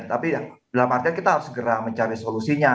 tapi dalam artian kita harus segera mencari solusinya